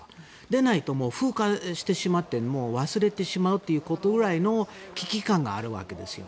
でないと、風化してしまって忘れてしまうというくらいの危機感があるわけですよ。